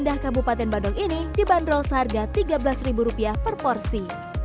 indah kabupaten badung ini dibanderol seharga tiga belas per porsi